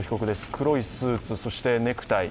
黒いスーツ、そしてネクタイ。